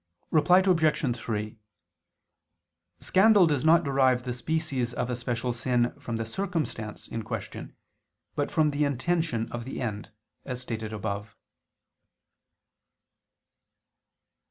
Reply Obj. 3: Scandal does not derive the species of a special sin from the circumstance in question, but from the intention of the end, as stated above.